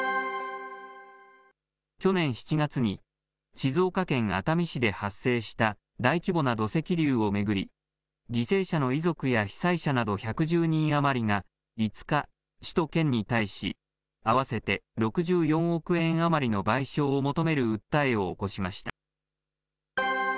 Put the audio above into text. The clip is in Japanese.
去年７月に静岡県熱海市で発生した大規模な土石流を巡り、犠牲者の遺族や被災者など１１０人余りが５日、市と県に対し合わせて６４億円余りの賠償を求める訴えを起こしました。